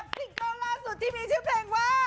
ซิงเกิลล่าสุดที่มีชื่อเพลงว่า